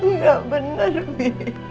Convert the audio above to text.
ini gak bener bi